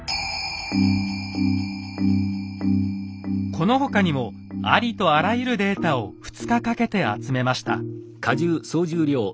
この他にもありとあらゆるデータを２日かけて集めました。